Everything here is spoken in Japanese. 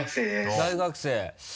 大学生。